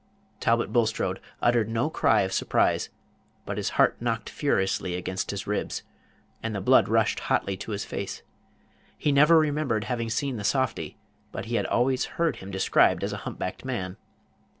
Talbot Bulstrode uttered no cry of surprise; but his heart knocked furiously against his ribs, and the blood rushed hotly to his face. He never remembered having seen the softy, but he had always heard him described as a humpbacked man.